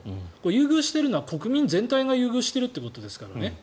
優遇しているのは国民全体が優遇しているということですから。